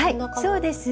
そうです。